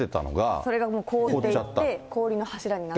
それがもう、凍っていって、氷の柱になりました。